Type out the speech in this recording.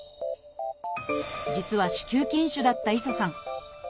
実は子宮筋腫だった磯さん。